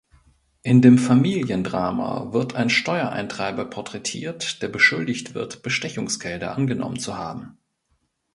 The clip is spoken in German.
In dem Familiendrama wird ein Steuereintreiber porträtiert, der beschuldigt wird, Bestechungsgelder angenommen zu haben.